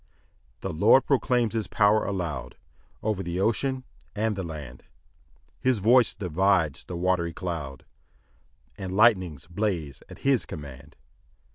2 The Lord proclaims his power aloud Over the ocean and the land; His voice divides the watery cloud, And lightnings blaze at his command.